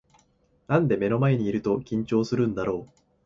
なんで目の前にいると緊張するんだろう